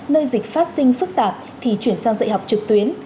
nơi dịch phát sinh phức tạp thì chuyển sang dạy học trực tuyến